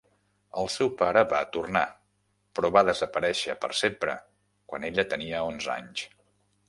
El seu pare va tornar però va desaparèixer per sempre quan ella tenia onze anys.